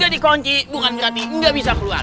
ga dikunci bukan berarti ga bisa keluar